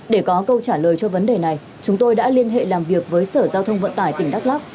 để có câu trả lời cho vấn đề này chúng tôi đã liên hệ làm việc với sở giao thông vận tải tỉnh đắk lắc